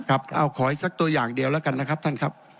เอาขออีกสักตัวอย่างเดียวแล้วกันนะครับท่านครับ